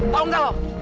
tahu nggak wak